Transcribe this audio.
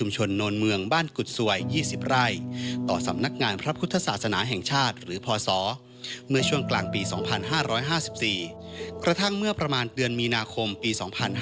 จากเดือนมีนาคมปี๒๕๕๕